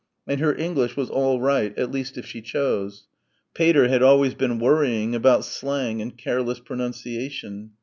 And her English was all right at least, if she chose.... Pater had always been worrying about slang and careless pronunciation.